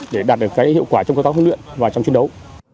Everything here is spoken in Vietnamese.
để đạt được cái hiệu quả trong công tác huấn luyện và trong chiến đấu